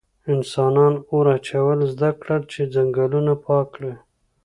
انسانان اور اچول زده کړل چې ځنګلونه پاک کړي.